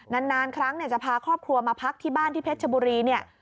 นานครั้งจะพาครอบครัวมาพักที่บ้านที่เผ็ดชบุรี